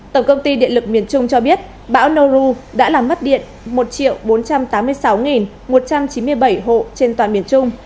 tổng công ty điện lực miền trung cho biết bão noru đã làm mất điện một bốn trăm tám mươi sáu một trăm chín mươi bảy hộ trên toàn miền trung